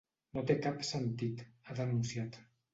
No té cap sentit, ha denunciat.